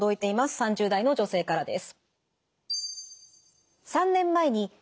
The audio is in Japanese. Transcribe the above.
３０代の女性からです。